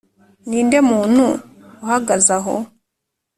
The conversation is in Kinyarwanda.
ninde muntu uhagaze aho